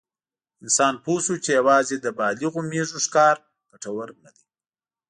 انسان پوه شو چې یواځې د بالغو مېږو ښکار ګټور نه دی.